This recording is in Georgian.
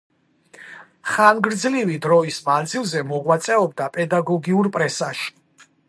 ხანგრძლივი დროის მანძილზე მოღვაწეობდა პედაგოგიურ პრესაში.